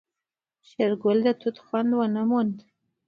شېرګل د توت خوند ونه موند.